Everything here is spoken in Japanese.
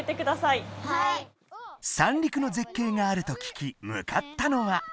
三陸の絶景があると聞き向かったのは。